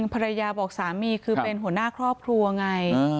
ภรรยาบอกสามีคือเป็นหัวหน้าครอบครัวไง